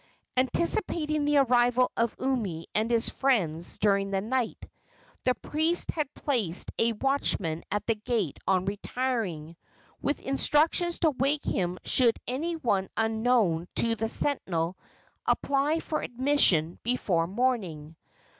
Anticipating the arrival of Umi and his friends during the night, the priest had placed a watchman at the gate on retiring, with instructions to wake him should any one unknown to the sentinel apply for admission before morning.